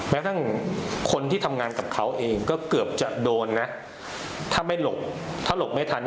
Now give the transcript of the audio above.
แม้ทั้งคนที่ทำงานกับเขาเองก็เกือบจะโดนนะถ้าไม่หลบถ้าหลบไม่ทัน